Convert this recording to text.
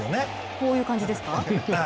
こういう感じですか？